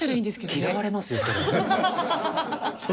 嫌われますよそれ。